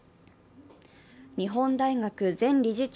日本大学前理事長